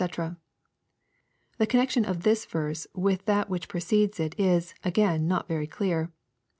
] The connection of this verse with that which precedes it is, again, not very clear.